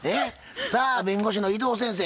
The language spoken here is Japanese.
さあ弁護士の伊藤先生